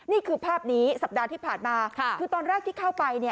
นี่คือภาพนี้สัปดาห์ที่ผ่านมาคือตอนแรกที่เข้าไป